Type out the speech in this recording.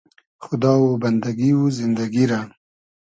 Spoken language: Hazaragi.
خودا و بئندئگی و زیندئگی رۂ